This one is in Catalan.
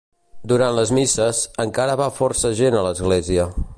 Durant les misses, encara va força gent a l'església.